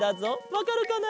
わかるかな？